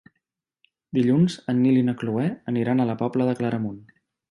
Dilluns en Nil i na Cloè aniran a la Pobla de Claramunt.